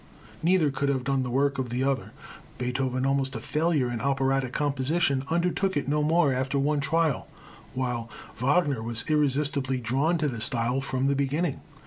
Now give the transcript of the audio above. Neither could have done the work of the other. Beethoven, almost a failure in operatic composition, undertook it no more after one trial, while Wagner was irresistibly drawn to this style from the beginning.